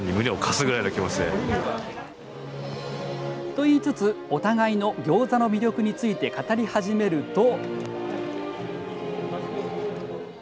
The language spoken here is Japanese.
と言いつつお互いのギョーザの魅力について語り始めると。